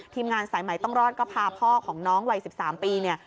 ทีมงานสายใหม่ต้องรอดก็พาพ่อของน้องวัย๑๓ปีเนี่ย